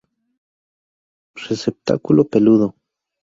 Receptáculo peludo.